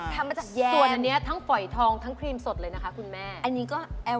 ส่วนอันนี้ทั้งฝอยทองทั้งครีมสดเลยนะคะคุณแม่